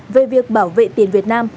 về việc bảo vệ tiền việt nam